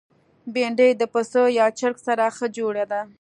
بېنډۍ د پسه یا چرګ سره ښه جوړه ده